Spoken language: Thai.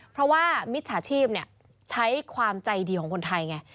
เพราะว่ามิจฉาชีพใช้ความใจดีของคนไทยไง